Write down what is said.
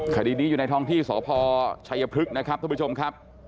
คดีนี้อยู่ในท้องที่สพชัยพฤกษ์นะครับท่านผู้ชมครับ